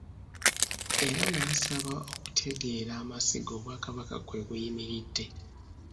Era n'abasaba okutegeera amasiga Obwakabaka kwe buyimiridde.